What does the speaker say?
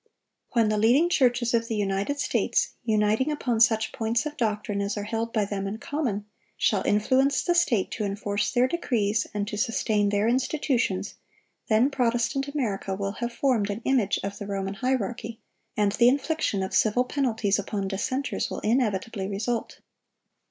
When the leading churches of the United States, uniting upon such points of doctrine as are held by them in common, shall influence the state to enforce their decrees and to sustain their institutions, then Protestant America will have formed an image of the Roman hierarchy, and the infliction of civil penalties upon dissenters will inevitably result.